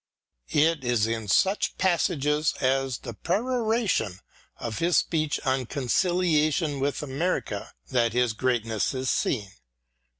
It is in such passages as the peroration of his speech on Con ciliation with America that his greatness is seen.